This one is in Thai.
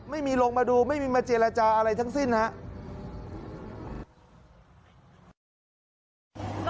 ไม่มีลงมาดูไม่มีมาเจรจาอะไรทั้งสิ้นครับ